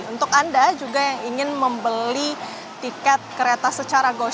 untuk anda juga yang ingin membeli tiket kereta secara gosip